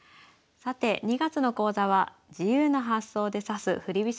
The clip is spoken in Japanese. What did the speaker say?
さて２月の講座は自由な発想で指す振り